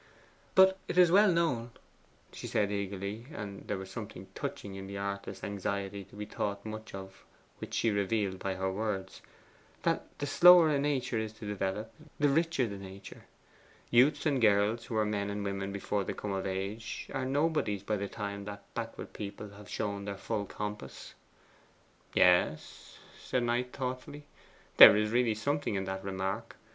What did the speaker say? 'But it is well known,' she said eagerly, and there was something touching in the artless anxiety to be thought much of which she revealed by her words, 'that the slower a nature is to develop, the richer the nature. Youths and girls who are men and women before they come of age are nobodies by the time that backward people have shown their full compass.' 'Yes,' said Knight thoughtfully. 'There is really something in that remark.